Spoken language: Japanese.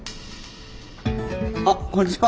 あっこんにちは。